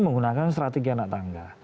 menggunakan strategi anak tangga